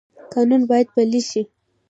قانون باید پلی شي